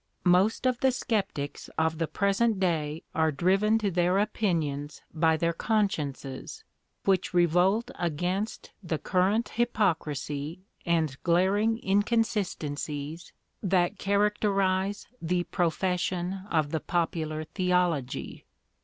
Most of the sceptics of the present day are driven to their opinions by their consciences, which revolt against the current hypocrisy and glaring inconsistencies that characterise the profession of the popular theology.